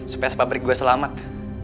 supaya sepabrik gue selamat